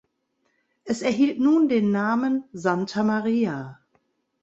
Es erhielt nun den Namen "Santa Maria".